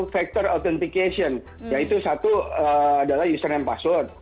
factor authentication yaitu satu adalah username password